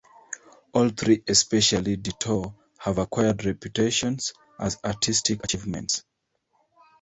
All three-especially "Detour"-have acquired reputations as artistic achievements.